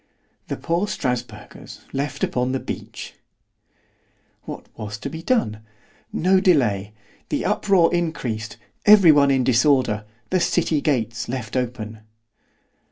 ——The poor Strasburgers left upon the beach! ——What was to be done?—No delay—the uproar increased——every one in disorder——the city gates set open.